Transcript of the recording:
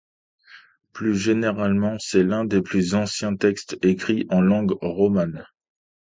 Plus généralement, c'est l'un des plus anciens textes écrits en langue romane.